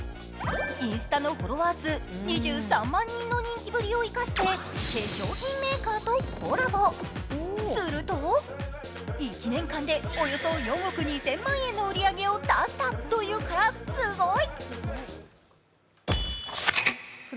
インスタのフォロワー数２３万人の人気ぶりを生かして化粧品メーカーとコラボ、すると１年間でおよそ４億２０００万円の売り上げを出したというからすごい。